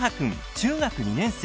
中学生２年生。